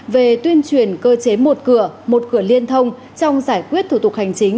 về tuyên truyền cơ chế một cửa một cửa liên thông trong giải quyết thủ tục hành chính